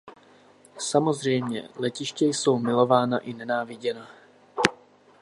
Samozřejmě, letiště jsou milována i nenáviděna.